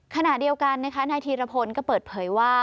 ขณะเดียวกันนะคะนายธีรพลก็เปิดเผยว่า